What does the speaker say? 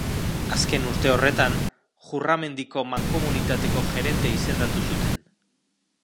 Azken urte horretan, Jurramendiko Mankomunitateko gerente izendatu zuten.